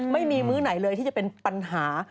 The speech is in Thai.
ไม่มีมื้อไหนเลยที่จะเป็นปัญหา